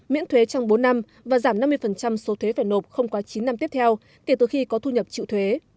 miễn thuế trong bốn năm và giảm năm mươi số thuế phải nộp không quá chín năm tiếp theo kể từ khi có thu nhập chịu thuế